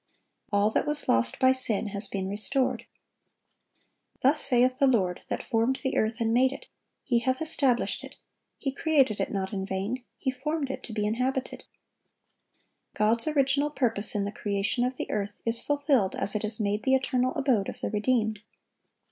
All that was lost by sin has been restored. "Thus saith the Lord ... that formed the earth and made it; He hath established it, He created it not in vain, He formed it to be inhabited."(1177) God's original purpose in the creation of the earth is fulfilled as it is made the eternal abode of the redeemed.